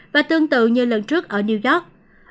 và tương tự như lần trước ở new york